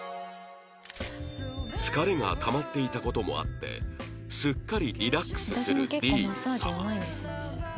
疲れがたまっていた事もあってすっかりリラックスするディーン様